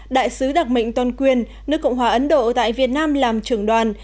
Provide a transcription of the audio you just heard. đại sứ đặc mệnh toàn quyền nước cộng hòa ấn độ tại việt nam làm trưởng đoàn